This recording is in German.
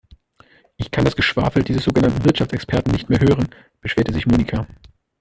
Ich kann das Geschwafel dieses sogenannten Wirtschaftsexperten nicht mehr hören, beschwerte sich Monika.